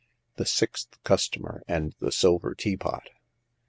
THE SIXTH CUSTOMER AND THE SILVER TEAPOT.